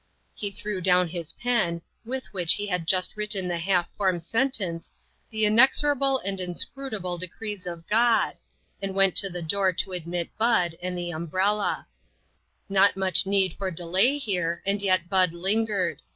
He threw down his pen, with whicli he had just written the half formed sentence, " the inexorable and inscrutable decrees of God," and went to the door to admit Bud, and the umbrella. COMFORTED. 289 Not much need for' delay here, and yet Bud lingered.